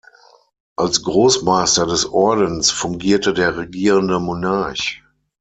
Als Großmeister des Ordens fungierte der regierende Monarch.